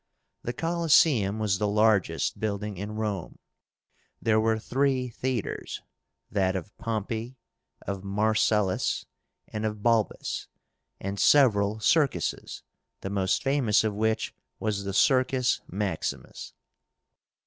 The COLOSSÉUM was the largest building in Rome. There were three theatres; that of Pompey, of Marcellus, and of Balbus; and several circuses, the most famous of which was the Circus Maximus.